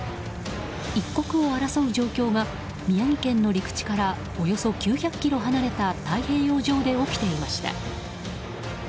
一刻を争う状況が宮城県の陸地からおよそ９００ｋｍ離れた太平洋上で起きていました。